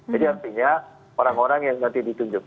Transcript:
jadi artinya orang orang yang nanti ditunjuk